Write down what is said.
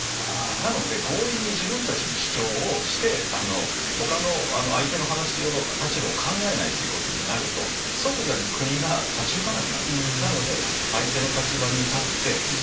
なので強引に自分たちの主張をしてほかの相手の立場を考えないということになると即座に国が立ち行かなくなる。